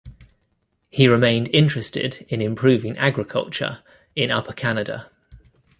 He remained interested in improving agriculture in Upper Canada.